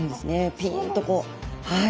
ピンとこうはい。